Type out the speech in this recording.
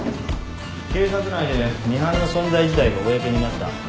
警察内でミハンの存在自体が公になった。